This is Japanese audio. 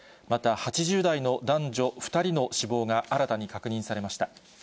また８０代の男女２人の死亡が新たに確認されました。